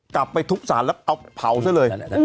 กลับไปทุกศาลแล้วเอาเพราเสร็จเลย